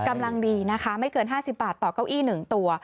กำลังดีนะคะไม่เกิน๕๐บาทต่อเก้าอี้๑ตัว